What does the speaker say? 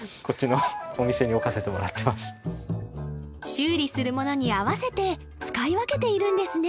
修理するものに合わせて使い分けているんですね